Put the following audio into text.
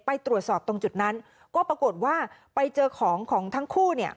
ไปตรวจสอบตรงจุดนั้นก็ปรากฏว่าไปเจอของของทั้งคู่เนี่ย